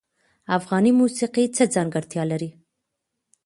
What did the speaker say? افغاني موسیقی څه ځانګړتیا لري؟